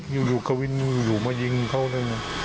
อยู่กับกะวินอยู่มายิงเขา